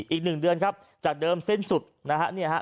อีก๑เดือนครับจากเดิมสิ้นสุดนะครับ